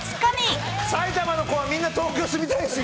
埼玉の子はみんな東京住みたいんです